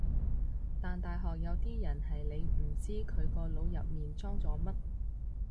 但大學有啲人係你唔知佢個腦入面裝咗乜